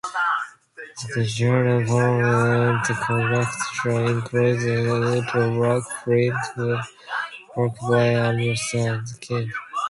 The Galleries permanent collection includes woodblock-print works by Andrew King.